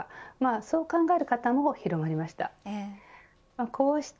そう考える方も広まりました。